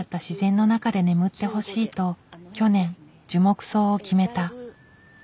自然の中で眠ってほしいと去年樹木葬を決めた。